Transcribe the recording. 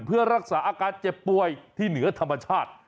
เพื่อรักษาอาการเจ็บป่วยที่เหนือธรรมชาติ